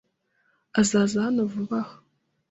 Azaza hano vuba aha?